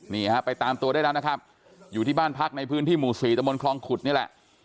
นี่ฮะไปตามตัวได้แล้วนะครับอยู่ที่บ้านพักในพื้นที่หมู่สี่ตะมนต์คลองขุดนี่แหละ